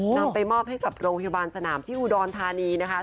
นำไปมอบให้กับโรงพยาบาลสนามที่อุดรธานีนะคะ